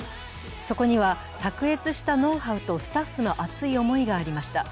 そこには卓越したノウハウとスタッフの熱い思いがありました。